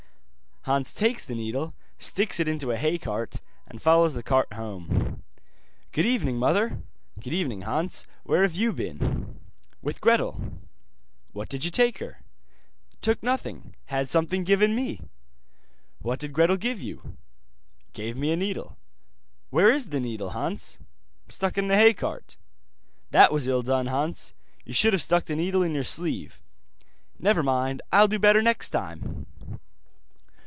Hans takes the needle, sticks it into a hay cart, and follows the cart home. 'Good evening, mother.' 'Good evening, Hans. Where have you been?' 'With Gretel.' 'What did you take her?' 'Took nothing; had something given me.' 'What did Gretel give you?' 'Gave me a needle.' 'Where is the needle, Hans?' 'Stuck in the hay cart.' 'That was ill done, Hans. You should have stuck the needle in your sleeve.' 'Never mind, I'll do better next time.